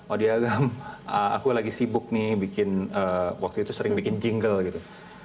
odi agam aku lagi sibuk nih bikin waktu itu sering bikin jingle gitu